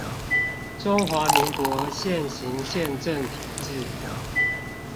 中華民國現行憲政體制